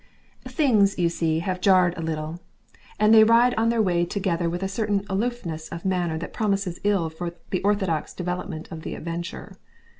Things, you see, have jarred a little, and they ride on their way together with a certain aloofness of manner that promises ill for the orthodox development of the Adventure.